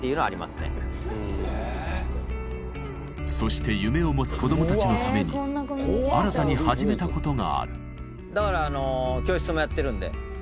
そして夢を持つ子供たちのために新たに始めたことがあるだから教室もやってるんで。